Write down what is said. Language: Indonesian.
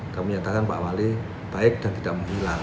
kami nyatakan pak wali baik dan tidak menghilang